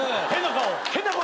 変な顔。